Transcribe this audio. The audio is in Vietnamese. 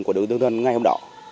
của đối tượng đoàn ngày hôm đó